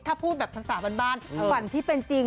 ถ้าพูดแบบภาษาบ้านฝันที่เป็นจริง